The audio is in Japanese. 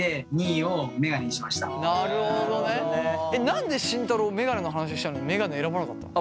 何で慎太郎メガネの話したのにメガネ選ばなかったの？